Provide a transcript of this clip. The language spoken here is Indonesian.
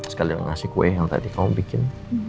sekalian ngasih kue yang tadi kamu bikin